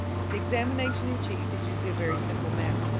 The examination in chief is usually a very simple matter.